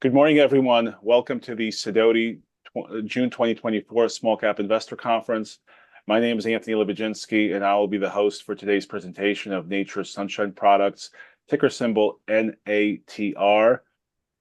Good morning, everyone. Welcome to the Sidoti June 2024 Small Cap Investor Conference. My name is Anthony Lebiedzinski, and I will be the host for today's presentation of Nature's Sunshine Products, ticker symbol NATR.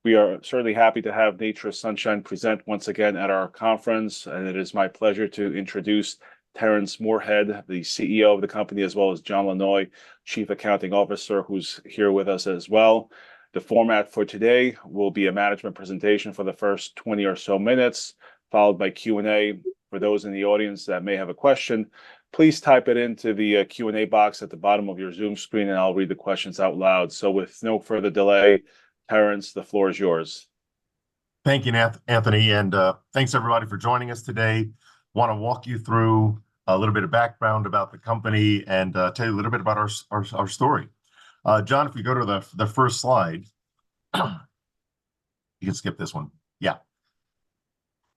We are certainly happy to have Nature's Sunshine present once again at our conference, and it is my pleasure to introduce Terrence Moorehead, the CEO of the company, as well as John Lanoy, Chief Accounting Officer, who's here with us as well. The format for today will be a management presentation for the first 20 or so minutes, followed by Q&A. For those in the audience that may have a question, please type it into the Q&A box at the bottom of your Zoom screen, and I'll read the questions out loud. So with no further delay, Terrence, the floor is yours. Thank you, Anthony, and thanks, everybody, for joining us today. Wanna walk you through a little bit of background about the company and tell you a little bit about our story. John, if we go to the first slide. You can skip this one. Yeah.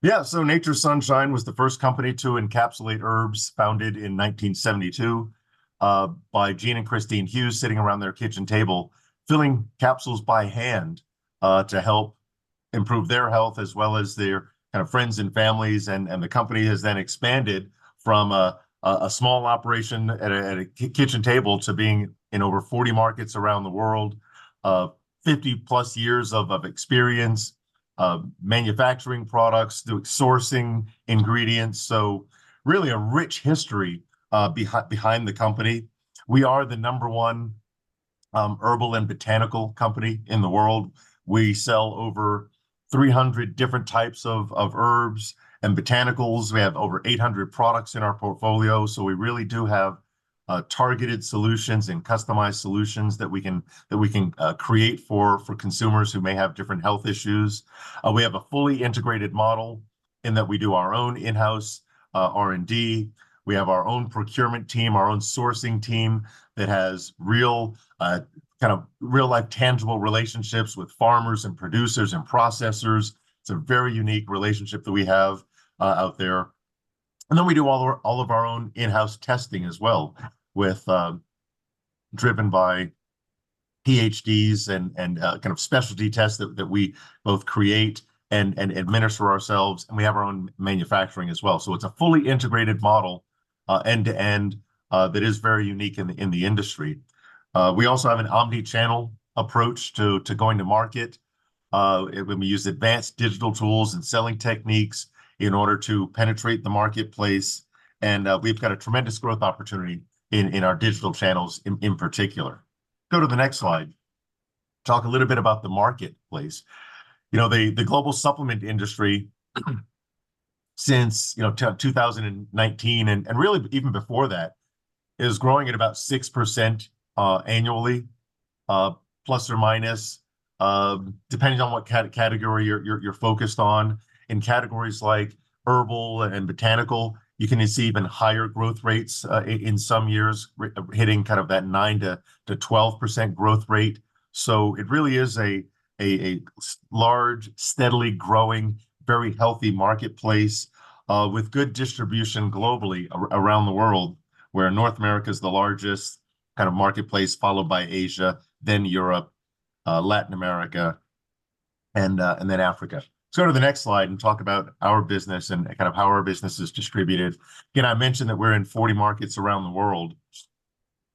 Yeah, so Nature's Sunshine was the first company to encapsulate herbs, founded in 1972, by Gene and Kristine Hughes, sitting around their kitchen table, filling capsules by hand, to help improve their health, as well as their kind of friends and families. And the company has then expanded from a small operation at a kitchen table to being in over 40 markets around the world. 50+ years of experience of manufacturing products, through sourcing ingredients, so really a rich history behind the company. We are the number one, herbal and botanical company in the world. We sell over 300 different types of herbs and botanicals. We have over 800 products in our portfolio, so we really do have targeted solutions and customized solutions that we can create for consumers who may have different health issues. We have a fully integrated model in that we do our own in-house R&D. We have our own procurement team, our own sourcing team, that has real, kind of real-life, tangible relationships with farmers and producers and processors. It's a very unique relationship that we have out there. And then we do all of our own in-house testing as well with... driven by PhDs and kind of specialty tests that we both create and administer ourselves, and we have our own manufacturing as well. So it's a fully integrated model, end-to-end, that is very unique in the industry. We also have an omni-channel approach to going to market. And we use advanced digital tools and selling techniques in order to penetrate the marketplace, and we've got a tremendous growth opportunity in our digital channels in particular. Go to the next slide. Talk a little bit about the marketplace. You know, the global supplement industry, since, you know, 2019, and really even before that, is growing at about 6% annually, ±, depending on what category you're focused on. In categories like herbal and botanical, you can even see even higher growth rates in some years, hitting kind of that 9%-12% growth rate. So it really is a large, steadily growing, very healthy marketplace with good distribution globally around the world, where North America is the largest kind of marketplace, followed by Asia, then Europe, Latin America, and then Africa. Let's go to the next slide and talk about our business and kind of how our business is distributed. Again, I mentioned that we're in 40 markets around the world.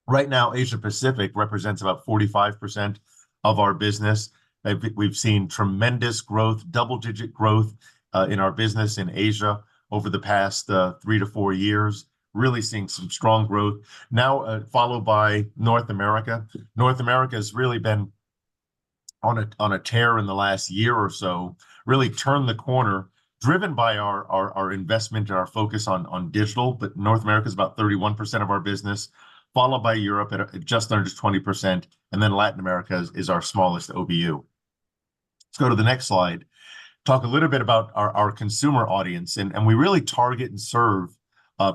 Right now, Asia Pacific represents about 45% of our business. We've seen tremendous growth, double-digit growth in our business in Asia over the past 3-4 years. Really seeing some strong growth. Now, followed by North America. North America has really been on a tear in the last year or so, really turned the corner, driven by our investment and our focus on digital. But North America is about 31% of our business, followed by Europe at just under 20%, and then Latin America is our smallest OBU. Let's go to the next slide. Talk a little bit about our consumer audience, and we really target and serve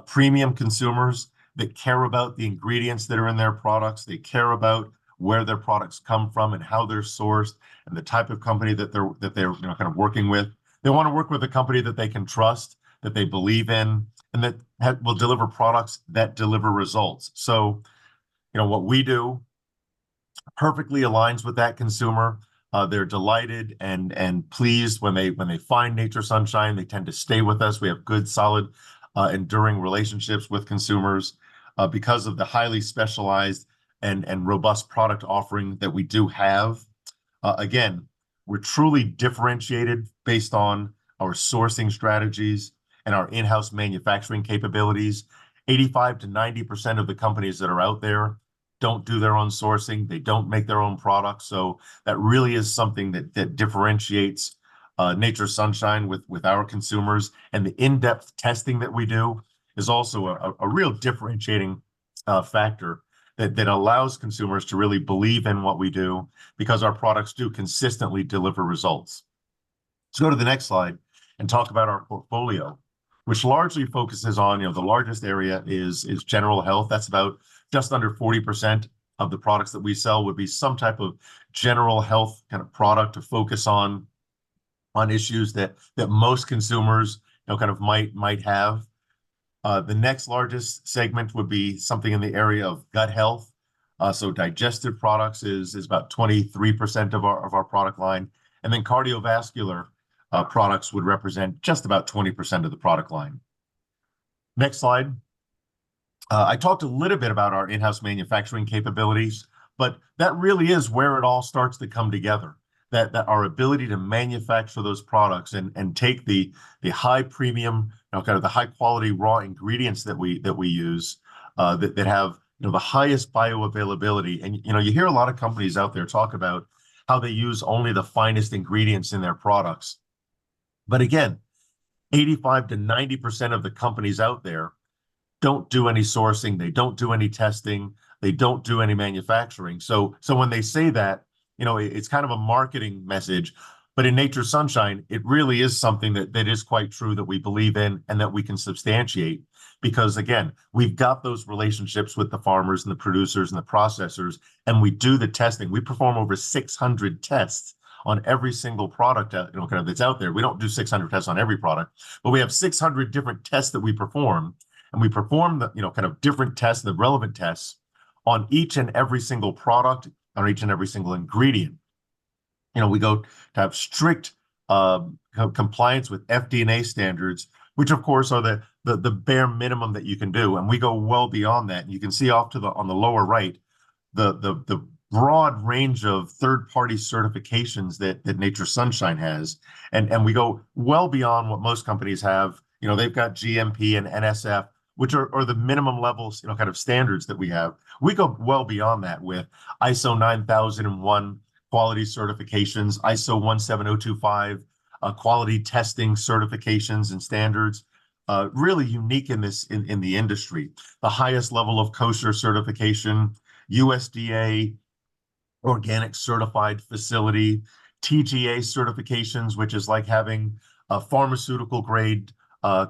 premium consumers that care about the ingredients that are in their products. They care about where their products come from and how they're sourced, and the type of company that they're, you know, kind of working with. They want to work with a company that they can trust, that they believe in, and that have... will deliver products that deliver results. So you know, what we do perfectly aligns with that consumer. They're delighted and pleased when they find Nature's Sunshine; they tend to stay with us. We have good, solid, enduring relationships with consumers because of the highly specialized and robust product offering that we do have. Again, we're truly differentiated based on our sourcing strategies and our in-house manufacturing capabilities. 85%-90% of the companies that are out there don't do their own sourcing; they don't make their own products, so that really is something that differentiates Nature's Sunshine with our consumers. And the in-depth testing that we do is also a real differentiating factor that allows consumers to really believe in what we do because our products do consistently deliver results. Let's go to the next slide and talk about our portfolio, which largely focuses on, you know, the largest area is general health. That's about just under 40% of the products that we sell, would be some type of general health kind of product to focus on issues that most consumers you know, kind of might have. The next largest segment would be something in the area of gut health. So digestive products is about 23% of our product line, and then cardiovascular products would represent just about 20% of the product line. Next slide. I talked a little bit about our in-house manufacturing capabilities, but that really is where it all starts to come together, that our ability to manufacture those products and take the high premium, you know, kind of the high-quality raw ingredients that we use, that have, you know, the highest bioavailability. You know, you hear a lot of companies out there talk about how they use only the finest ingredients in their products. But again, 85%-90% of the companies out there don't do any sourcing, they don't do any testing, they don't do any manufacturing. So when they say that, you know, it's kind of a marketing message. But in Nature's Sunshine, it really is something that is quite true, that we believe in, and that we can substantiate. Because, again, we've got those relationships with the farmers, and the producers, and the processors, and we do the testing. We perform over 600 tests on every single product, you know, kind of, that's out there. We don't do 600 tests on every product, but we have 600 different tests that we perform, and we perform the, you know, kind of different tests, the relevant tests, on each and every single product, on each and every single ingredient. You know, we go to have strict compliance with FDA standards, which of course are the bare minimum that you can do, and we go well beyond that. And you can see off to the... on the lower right, the broad range of third-party certifications that Nature's Sunshine has. And we go well beyond what most companies have. You know, they've got GMP and NSF, which are the minimum levels, you know, kind of standards that we have. We go well beyond that with ISO 9001 quality certifications, ISO 17025 quality testing certifications and standards. Really unique in this industry. The highest level of kosher certification, USDA organic certified facility, TGA certifications, which is like having a pharmaceutical-grade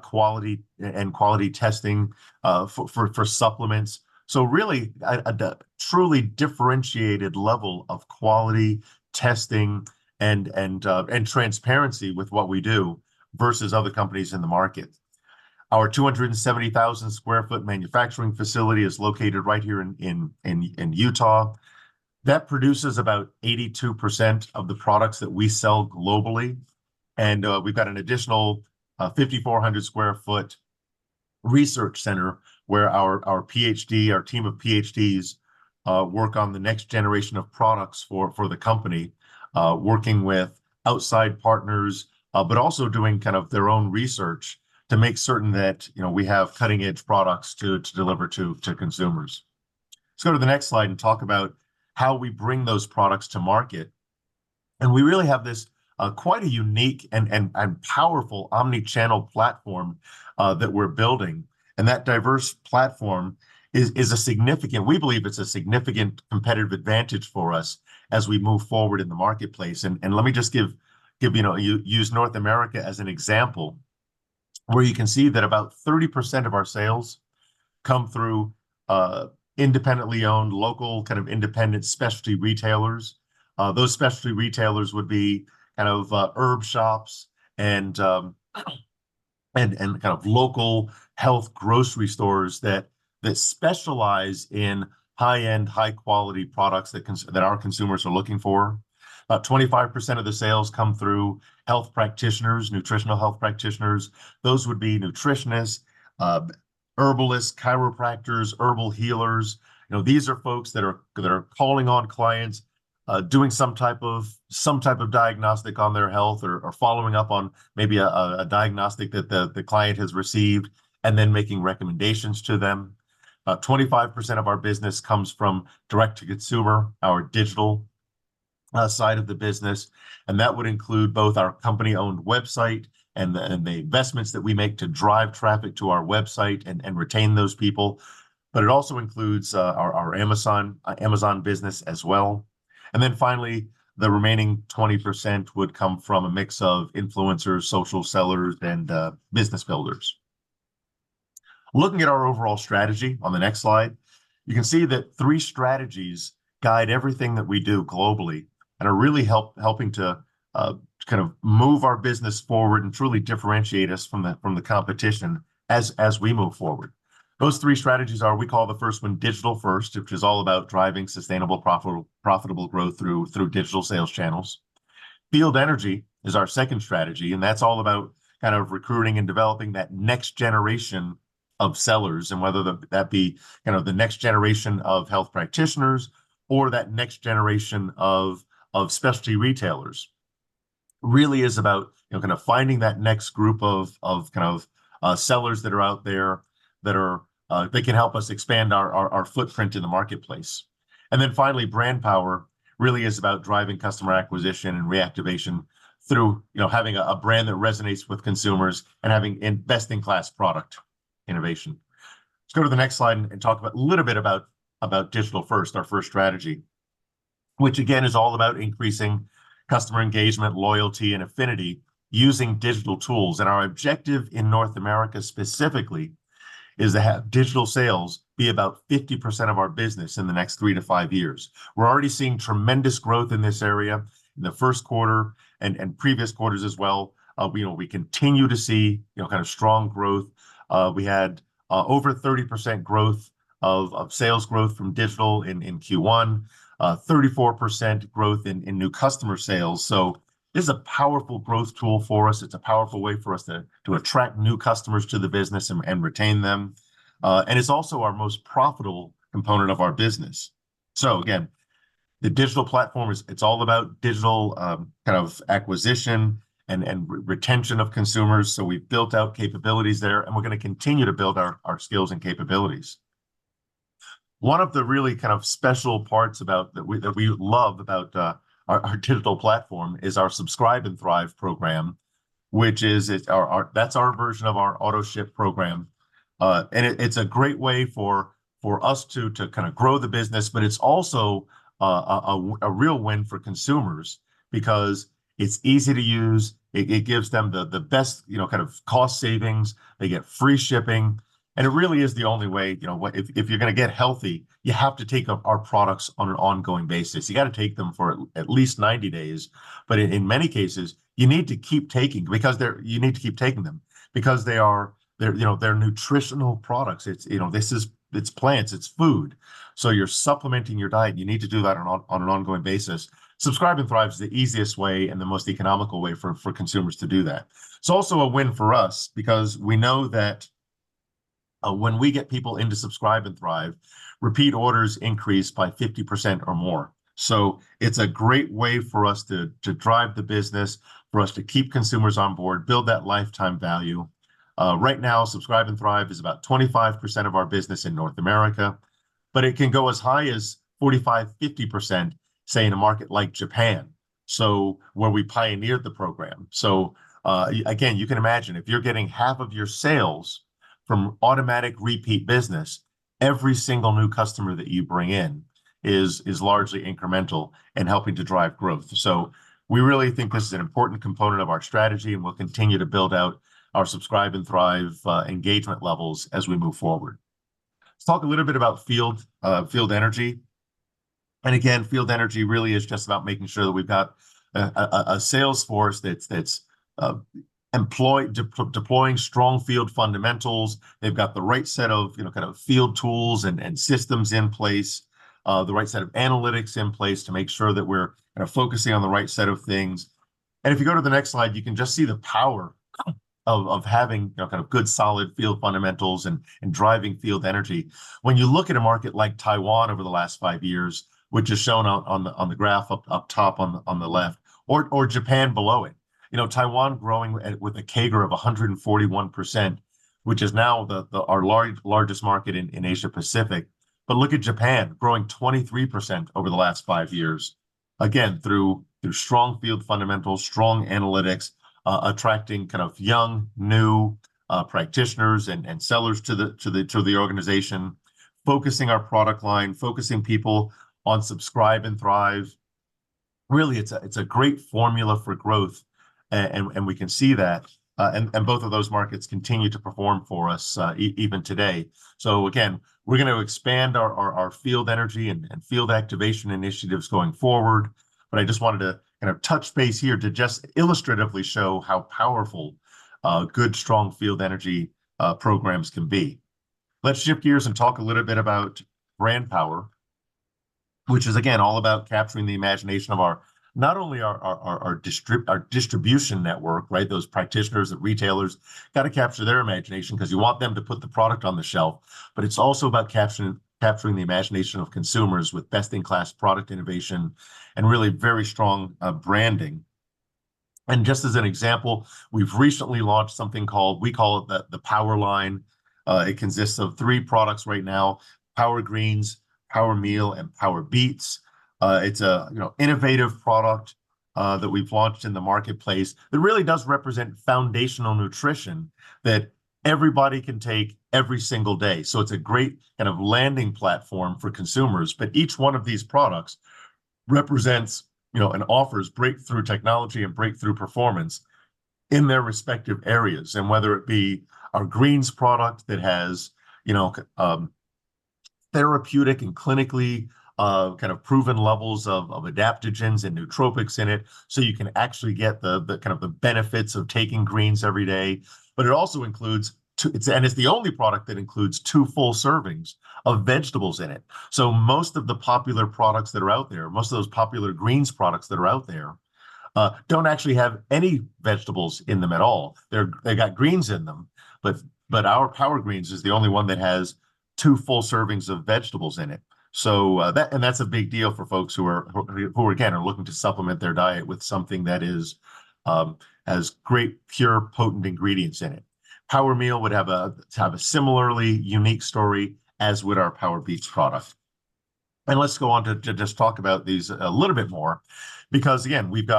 quality and quality testing for supplements. So really, a truly differentiated level of quality testing and transparency with what we do versus other companies in the market. Our 270,000 sq ft manufacturing facility is located right here in Utah. That produces about 82% of the products that we sell globally. And we've got an additional 5,400 sq ft research center where our PhD, our team of PhDs work on the next generation of products for the company, working with outside partners, but also doing kind of their own research, to make certain that, you know, we have cutting-edge products to deliver to consumers. Let's go to the next slide and talk about how we bring those products to market. And we really have this quite a unique and powerful omni-channel platform that we're building, and that diverse platform is a significant—we believe it's a significant competitive advantage for us as we move forward in the marketplace. And let me just give you know... Use North America as an example, where you can see that about 30% of our sales come through independently owned, local, kind of independent specialty retailers. Those specialty retailers would be kind of herb shops and kind of local health grocery stores that specialize in high-end, high-quality products that our consumers are looking for. About 25% of the sales come through health practitioners, nutritional health practitioners. Those would be nutritionists, herbalists, chiropractors, herbal healers. You know, these are folks that are calling on clients, doing some type of diagnostic on their health or following up on maybe a diagnostic that the client has received, and then making recommendations to them. 25% of our business comes from direct to consumer, our digital side of the business, and that would include both our company-owned website and the investments that we make to drive traffic to our website and retain those people, but it also includes our Amazon business as well. And then finally, the remaining 20% would come from a mix of influencers, social sellers, and business builders. Looking at our overall strategy on the next slide, you can see that three strategies guide everything that we do globally and are really helping to kind of move our business forward and truly differentiate us from the competition as we move forward. Those three strategies are, we call the first one Digital First, which is all about driving sustainable, profitable growth through digital sales channels. Field Energy is our second strategy, and that's all about kind of recruiting and developing that next generation of sellers, and whether that be kind of the next generation of health practitioners or that next generation of specialty retailers. Really is about, you know, kind of finding that next group of sellers that are out there that can help us expand our footprint in the marketplace. And then finally, Brand Power really is about driving customer acquisition and reactivation through, you know, having a brand that resonates with consumers and having best-in-class product innovation. Let's go to the next slide and talk about a little bit about Digital First, our first strategy, which again is all about increasing customer engagement, loyalty, and affinity using digital tools. Our objective in North America specifically is to have digital sales be about 50% of our business in the next 3-5 years. We're already seeing tremendous growth in this area in the first quarter and previous quarters as well. We know we continue to see you know kind of strong growth. We had over 30% growth of sales growth from digital in Q1 34% growth in new customer sales. So this is a powerful growth tool for us. It's a powerful way for us to attract new customers to the business and retain them. And it's also our most profitable component of our business. So again the digital platform is. It's all about digital kind of acquisition and retention of consumers. So we've built out capabilities there, and we're gonna continue to build our skills and capabilities. One of the really kind of special parts about that we love about our digital platform is our Subscribe and Thrive program, which is it's our that's our version of our autoship program. And it it's a great way for us to kinda grow the business, but it's also a real win for consumers because it's easy to use, it gives them the best, you know, kind of cost savings. They get free shipping, and it really is the only way, you know, if you're gonna get healthy, you have to take our products on an ongoing basis. You gotta take them for at least 90 days. But in many cases, you need to keep taking them because they're. You need to keep taking them because they are—they're, you know, they're nutritional products. It's, you know, this is—it's plants, it's food. So you're supplementing your diet, and you need to do that on an ongoing basis. Subscribe and Thrive is the easiest way and the most economical way for consumers to do that. It's also a win for us because we know that, when we get people in to Subscribe and Thrive, repeat orders increase by 50% or more. So it's a great way for us to drive the business, for us to keep consumers on board, build that lifetime value. Right now, Subscribe and Thrive is about 25% of our business in North America, but it can go as high as 45%-50%, say, in a market like Japan, so where we pioneered the program. So, again, you can imagine, if you're getting half of your sales from automatic repeat business, every single new customer that you bring in is largely incremental in helping to drive growth. So we really think this is an important component of our strategy, and we'll continue to build out our Subscribe and Thrive engagement levels as we move forward. Let's talk a little bit about Field Energy. And again, Field Energy really is just about making sure that we've got a sales force that's employed deploying strong field fundamentals. They've got the right set of, you know, kind of field tools and systems in place, the right set of analytics in place to make sure that we're kinda focusing on the right set of things. And if you go to the next slide, you can just see the power of having, you know, kind of good, solid field fundamentals and driving field energy. When you look at a market like Taiwan over the last five years, which is shown out on the graph up top on the left, or Japan below it, you know, Taiwan growing at with a CAGR of 141%, which is now the- our largest market in Asia Pacific. But look at Japan, growing 23% over the last five years, again, through strong field fundamentals, strong analytics, attracting kind of young, new practitioners and sellers to the organization, focusing our product line, focusing people on Subscribe and Thrive. Really, it's a great formula for growth, and we can see that. And both of those markets continue to perform for us, even today. So again, we're gonna expand our Field Energy and field activation initiatives going forward. But I just wanted to kind of touch base here to just illustratively show how powerful good, strong Field Energy programs can be. Let's shift gears and talk a little bit about Brand Power, which is, again, all about capturing the imagination of our distribution network, right? Those practitioners, the retailers, gotta capture their imagination 'cause you want them to put the product on the shelf. But it's also about capturing the imagination of consumers with best-in-class product innovation and really very strong branding. And just as an example, we've recently launched something called the Power Line. It consists of three products right now: Power Greens, Power Meal, and Power Beets. It's a, you know, innovative product that we've launched in the marketplace that really does represent foundational nutrition that everybody can take every single day. So it's a great kind of landing platform for consumers. But each one of these products represents, you know, and offers breakthrough technology and breakthrough performance in their respective areas. Whether it be our Greens product that has, you know, therapeutic and clinically kind of proven levels of adaptogens and nootropics in it, so you can actually get the kind of benefits of taking greens every day. But it also includes two full servings of vegetables in it. And it's the only product that includes two full servings of vegetables in it. So most of the popular products that are out there, most of those popular greens products that are out there, don't actually have any vegetables in them at all. They've got greens in them, but our Power Greens is the only one that has two full servings of vegetables in it. So, that's a big deal for folks who are again looking to supplement their diet with something that is has great, pure, potent ingredients in it. Power Meal would have a similarly unique story, as would our Power Beets product. And let's go on to just talk about these a little bit more because again, we've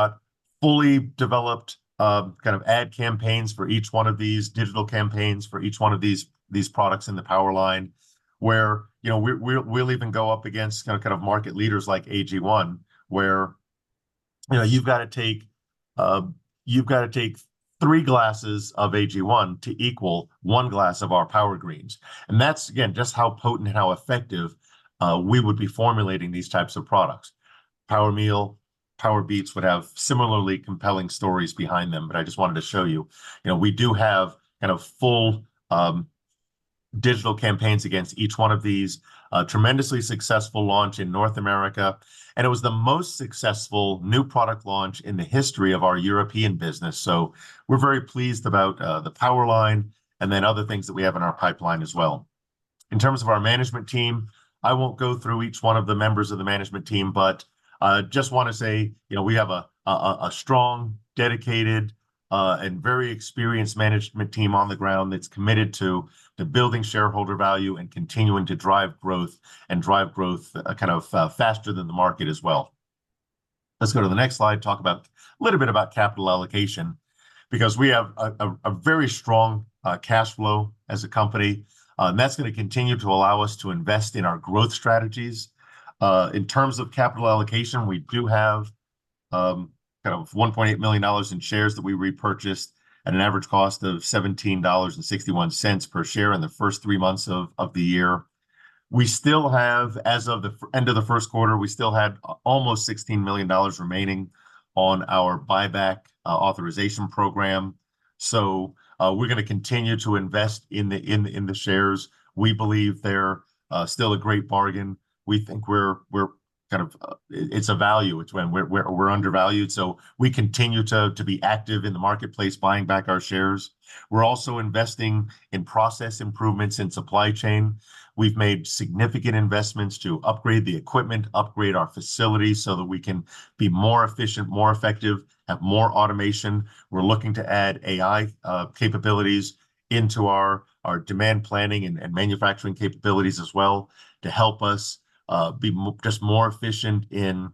fully developed kind of ad campaigns for each one of these digital campaigns for each one of these products in the Power Line, where you know, we'll even go up against kinda market leaders like AG1, where you know, you've gotta take three glasses of AG1 to equal one glass of our Power Greens. And that's again just how potent and how effective we would be formulating these types of products. Power Meal, Power Beets would have similarly compelling stories behind them, but I just wanted to show you. You know, we do have kind of full digital campaigns against each one of these. A tremendously successful launch in North America, and it was the most successful new product launch in the history of our European business. So we're very pleased about the Power Line and then other things that we have in our pipeline as well. In terms of our management team, I won't go through each one of the members of the management team, but just wanna say, you know, we have a strong, dedicated, and very experienced management team on the ground that's committed to building shareholder value and continuing to drive growth, and drive growth kind of faster than the market as well. Let's go to the next slide, talk about a little bit about capital allocation, because we have a very strong cash flow as a company. And that's gonna continue to allow us to invest in our growth strategies. In terms of capital allocation, we do have kind of $1.8 million in shares that we repurchased at an average cost of $17.61 per share in the first three months of the year. As of the end of the first quarter, we still had almost $16 million remaining on our buyback authorization program. So, we're gonna continue to invest in the shares. We believe they're still a great bargain. We think we're kind of... It's a value, it's when we're undervalued, so we continue to be active in the marketplace, buying back our shares. We're also investing in process improvements in supply chain. We've made significant investments to upgrade the equipment, upgrade our facilities, so that we can be more efficient, more effective, have more automation. We're looking to add AI capabilities into our demand planning and manufacturing capabilities as well, to help us be just more efficient in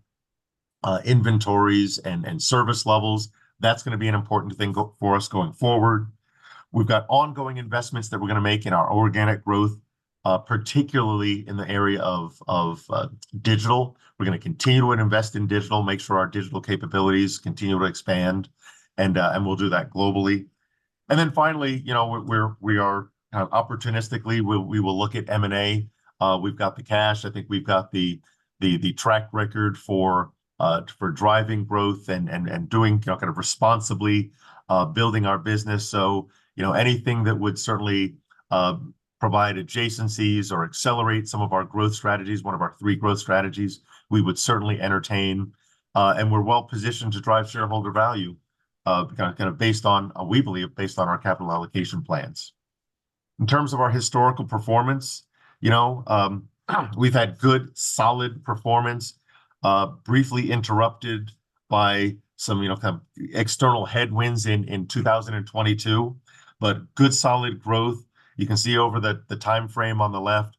inventories and service levels. That's gonna be an important thing for us going forward. We've got ongoing investments that we're gonna make in our organic growth, particularly in the area of digital. We're gonna continue to invest in digital, make sure our digital capabilities continue to expand, and we'll do that globally. And then finally, you know, we are kind of opportunistically, we will look at M&A. We've got the cash, I think we've got the track record for driving growth and doing kind of responsibly building our business. So, you know, anything that would certainly provide adjacencies or accelerate some of our growth strategies, one of our three growth strategies, we would certainly entertain. And we're well-positioned to drive shareholder value kind of based on, we believe, based on our capital allocation plans. In terms of our historical performance, you know, we've had good, solid performance briefly interrupted by some, you know, kind of external headwinds in 2022, but good, solid growth. You can see over the timeframe on the left,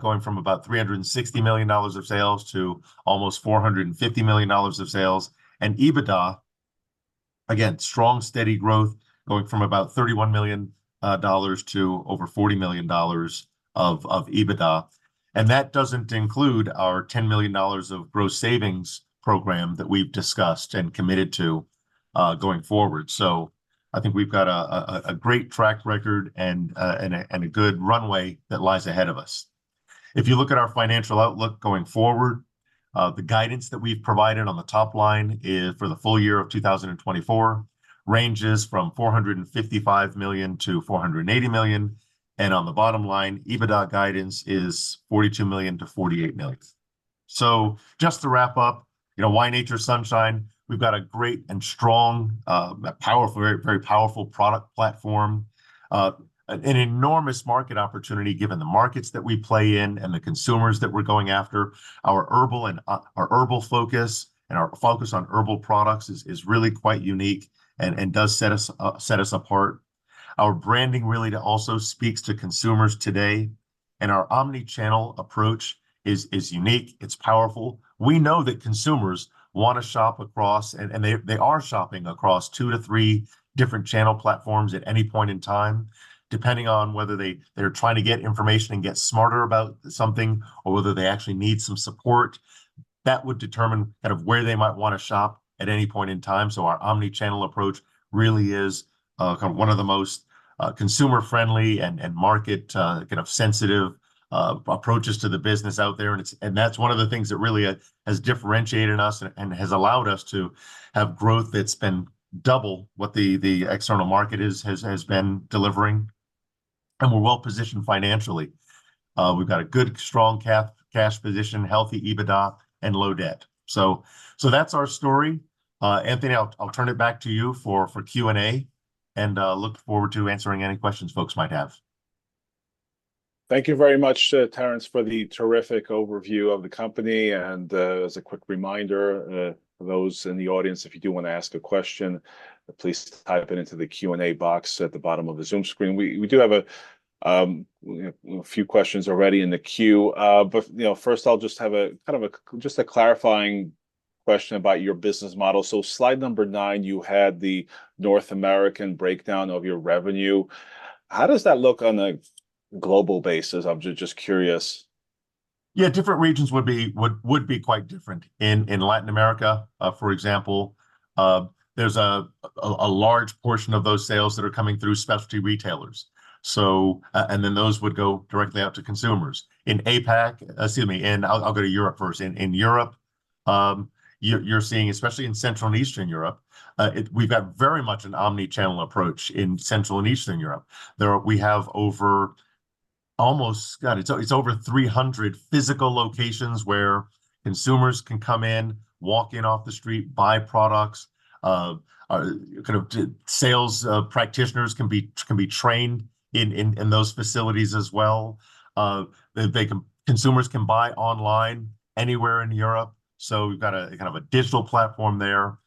going from about $360 million of sales to almost $450 million of sales. And EBITDA, again, strong, steady growth, going from about $31 million to over $40 million of EBITDA, and that doesn't include our $10 million of gross savings program that we've discussed and committed to, going forward. So I think we've got a great track record and a good runway that lies ahead of us. If you look at our financial outlook going forward, the guidance that we've provided on the top line is for the full year of 2024, ranges from $455 million-$480 million, and on the bottom line, EBITDA guidance is $42 million-$48 million. So just to wrap up, you know, why Nature's Sunshine? We've got a great and strong, powerful, very, very powerful product platform. An enormous market opportunity, given the markets that we play in and the consumers that we're going after. Our herbal and our herbal focus and our focus on herbal products is, is really quite unique and, and does set us, set us apart. Our branding really also speaks to consumers today, and our omni-channel approach is, is unique, it's powerful. We know that consumers wanna shop across, and, and they, they are shopping across two to three different channel platforms at any point in time, depending on whether they, they're trying to get information and get smarter about something, or whether they actually need some support. That would determine kind of where they might wanna shop at any point in time. So our omni-channel approach really is kind of one of the most consumer-friendly and market kind of sensitive approaches to the business out there. And it's... And that's one of the things that really has differentiated us and has allowed us to have growth that's been double what the external market is has been delivering. And we're well-positioned financially. We've got a good, strong cash position, healthy EBITDA, and low debt. So that's our story. Anthony, I'll turn it back to you for Q&A, and I look forward to answering any questions folks might have. Thank you very much, Terence, for the terrific overview of the company. And, as a quick reminder, for those in the audience, if you do wanna ask a question, please type it into the Q&A box at the bottom of the Zoom screen. We do have a few questions already in the queue. But, you know, first I'll just have a kind of a just a clarifying question about your business model. So slide number nine, you had the North American breakdown of your revenue. How does that look on a global basis? I'm just curious. Yeah, different regions would be quite different. In Latin America, for example, there's a large portion of those sales that are coming through specialty retailers. So, and then those would go directly out to consumers. In APAC... Excuse me, in, I'll go to Europe first. In Europe, you're seeing, especially in Central and Eastern Europe, we've got very much an omni-channel approach in Central and Eastern Europe. We have over 300 physical locations where consumers can come in, walk in off the street, buy products. Direct sales practitioners can be trained in those facilities as well. Consumers can buy online anywhere in Europe, so we've got a kind of a digital platform there.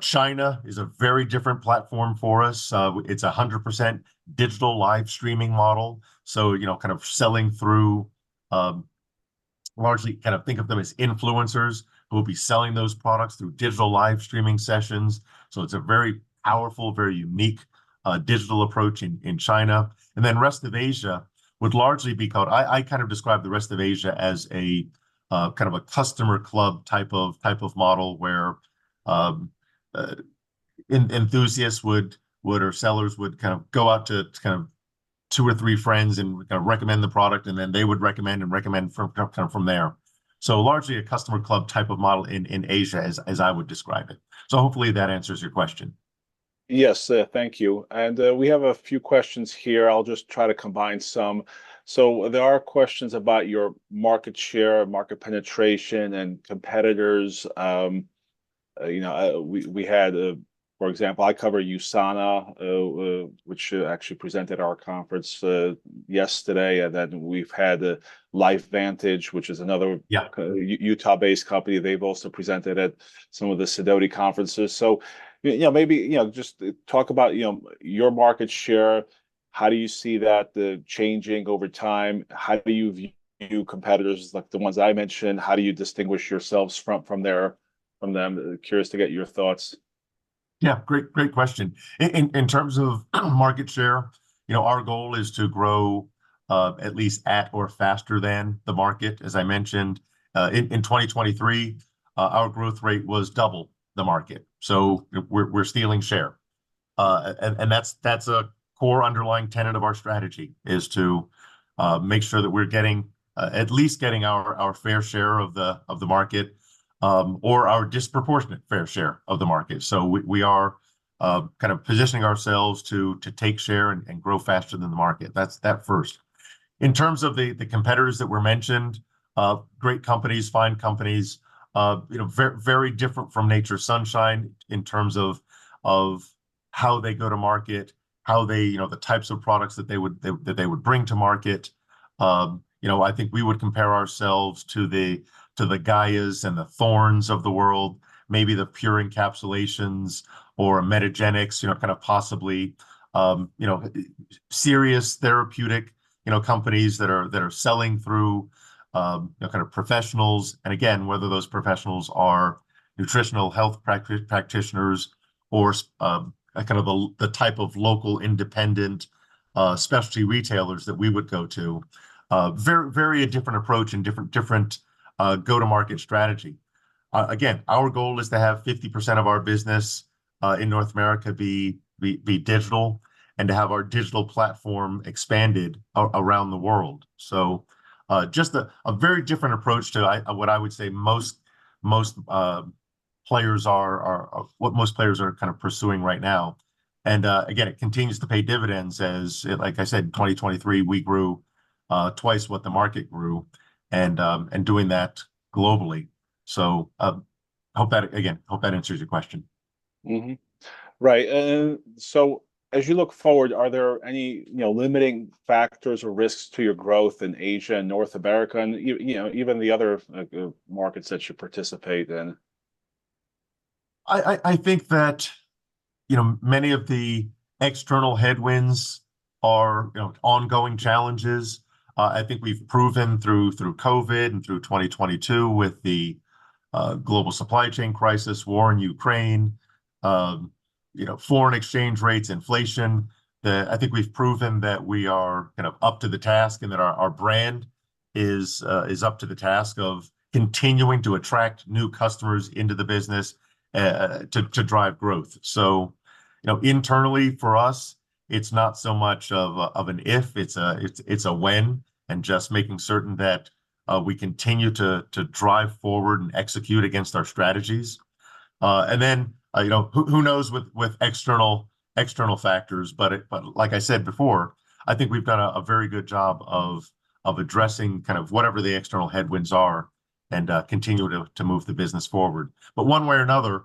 China is a very different platform for us. It's 100% digital live streaming model, so, you know, kind of selling through, largely kind of think of them as influencers who will be selling those products through digital live streaming sessions. So it's a very powerful, very unique, digital approach in, in China. And then rest of Asia would largely be called... I kind of describe the rest of Asia as a, kind of a customer club type of, type of model, where, enthusiasts would or sellers would kind of go out to kind of two or three friends and kind of recommend the product, and then they would recommend and recommend from, kind of from there. So largely a customer club type of model in, in Asia, as I would describe it. So hopefully that answers your question. Yes, thank you. And, we have a few questions here. I'll just try to combine some. So there are questions about your market share, market penetration, and competitors. You know, we had, for example, I cover USANA, which actually presented our conference yesterday, and then we've had LifeVantage, which is another- Yeah Utah-based company. They've also presented at some of the Sidoti conferences. So, you know, maybe, you know, just talk about, you know, your market share. How do you see that changing over time? How do you view competitors, like the ones I mentioned? How do you distinguish yourselves from them? Curious to get your thoughts. Yeah, great, great question. In terms of market share, you know, our goal is to grow at least at or faster than the market. As I mentioned, in 2023, our growth rate was double the market, so we're stealing share. And that's a core underlying tenet of our strategy, is to make sure that we're getting at least getting our fair share of the market or our disproportionate fair share of the market. So we are kind of positioning ourselves to take share and grow faster than the market. That's that first. In terms of the competitors that were mentioned, great companies, fine companies, you know, very different from Nature's Sunshine in terms of how they go to market, how they... You know, the types of products that they would bring to market. You know, I think we would compare ourselves to the Gaia Herbs and the Thornes of the world, maybe the Pure Encapsulations or Metagenics, you know, kind of possibly serious therapeutic, you know, companies that are selling through, you know, kind of professionals. And again, whether those professionals are nutritional health practitioners or a kind of a the type of local, independent specialty retailers that we would go to. Very, very different approach and different go-to-market strategy. Again, our goal is to have 50% of our business in North America be digital, and to have our digital platform expanded around the world. So, just a very different approach to what I would say most players are kind of pursuing right now. And, again, it continues to pay dividends as, like I said, in 2023, we grew twice what the market grew, and doing that globally. So, hope that, again, hope that answers your question. Mm-hmm. Right, and so as you look forward, are there any, you know, limiting factors or risks to your growth in Asia and North America and you know, even the other markets that you participate in? I think that, you know, many of the external headwinds are, you know, ongoing challenges. I think we've proven through Covid and through 2022 with the global supply chain crisis, war in Ukraine, you know, foreign exchange rates, inflation, that I think we've proven that we are kind of up to the task and that our brand is up to the task of continuing to attract new customers into the business, to drive growth. So, you know, internally for us, it's not so much of an if, it's a when, and just making certain that we continue to drive forward and execute against our strategies. And then, you know, who knows with external factors? But like I said before, I think we've done a very good job of addressing kind of whatever the external headwinds are and continuing to move the business forward. But one way or another,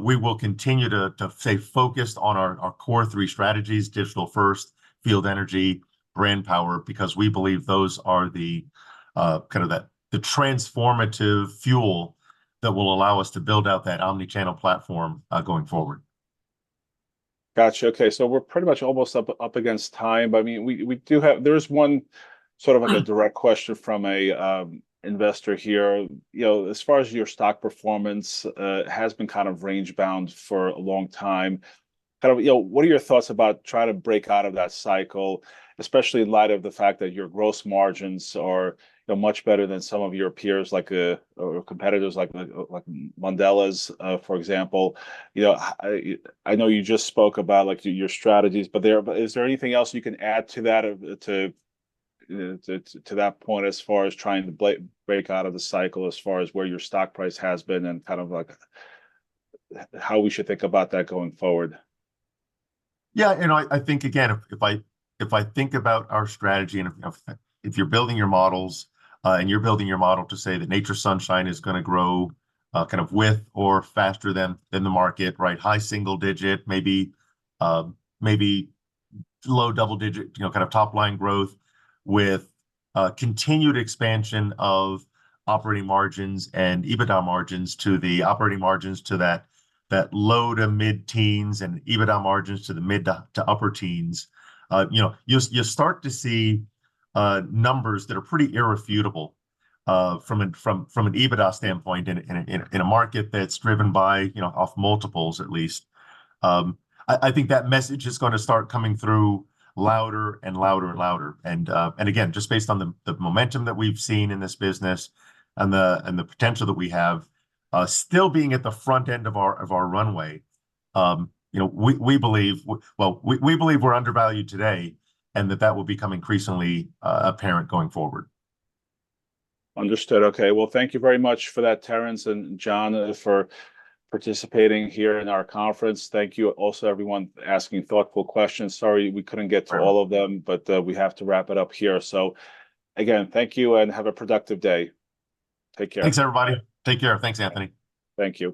we will continue to stay focused on our core three strategies: Digital First, Field Energy, Brand Power, because we believe those are kind of the transformative fuel that will allow us to build out that Omni-channel platform going forward.... Gotcha. Okay, so we're pretty much almost up against time, but, I mean, we do have. There is one sort of like a direct question from a investor here. You know, as far as your stock performance has been kind of range-bound for a long time. Kind of, you know, what are your thoughts about trying to break out of that cycle, especially in light of the fact that your gross margins are, you know, much better than some of your peers, like or competitors like Mondelēz, for example? You know, I know you just spoke about, like, your strategies, but there is there anything else you can add to that, to that point, as far as trying to break out of the cycle as far as where your stock price has been, and kind of like how we should think about that going forward? Yeah, you know, I think, again, if I think about our strategy and if you're building your models, and you're building your model to say that Nature's Sunshine is gonna grow, kind of with or faster than the market, right? High single digit, maybe, maybe low double digit, you know, kind of top-line growth with continued expansion of operating margins and EBITDA margins to the operating margins to that low- to mid-teens, and EBITDA margins to the mid to upper teens. You know, you'll start to see numbers that are pretty irrefutable from an EBITDA standpoint in a market that's driven by, you know, off multiples at least. I think that message is gonna start coming through louder and louder and louder. And again, just based on the momentum that we've seen in this business and the potential that we have, still being at the front end of our runway, you know, we believe... Well, we believe we're undervalued today, and that will become increasingly apparent going forward. Understood. Okay. Well, thank you very much for that, Terence and John, for participating here in our conference. Thank you also, everyone asking thoughtful questions. Sorry we couldn't get to all of them, but we have to wrap it up here. So again, thank you and have a productive day. Take care. Thanks, everybody. Take care. Thanks, Anthony. Thank you.